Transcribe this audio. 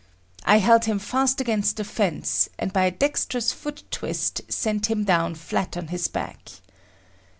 I held him fast against the fence, and by a dexterous foot twist sent him down flat on his back.